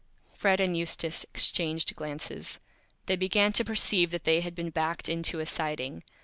Fred and Eustace exchanged Glances. They began to Perceive that they had been backed into a Siding.